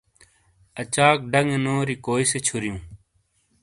اچاک ڈنگے نوری کوئی سے چھُریئوں؟